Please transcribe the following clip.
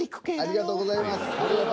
ありがとうございます。